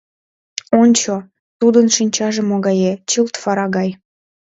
Ончо, тудын шинчаже могае, чылт фара гай.